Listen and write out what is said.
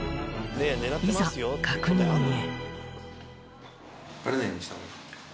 いざ確認へ。